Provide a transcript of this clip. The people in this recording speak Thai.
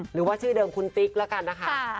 หรือว่าชื่อเดิมคุณติ๊กแล้วกันนะคะ